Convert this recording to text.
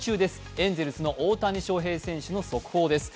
エンゼルスの大谷翔平選手の速報です。